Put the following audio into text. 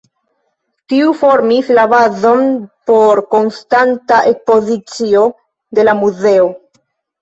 Tiu formis la bazon por konstanta ekspozicio de la muzeo.